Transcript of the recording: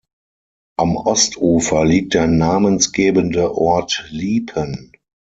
Am Ostufer liegt der namensgebende Ort Liepen.